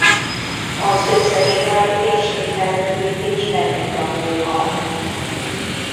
Az összes faj mérsékelt övi és fenéklakó hal.